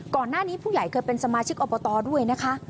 ก่อนหน้านี้ผู้ใหญ่เคยเป็นสมาชิกอบตด้วยนะคะ